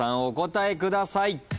お答えください。